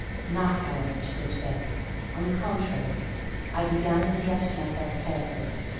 Not, however, to go to bed: on the contrary, I began and dressed myself carefully.